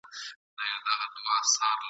نه شهید او نه زخمي د چا په یاد وو ..